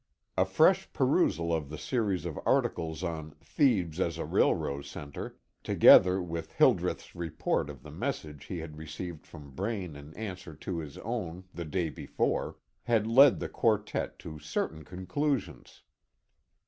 A fresh perusal of the series of articles on "Thebes as a Railroad Centre," together with Hildreth's report of the message he had received from Braine in answer to his own, the day before, had led the quartette to certain conclusions.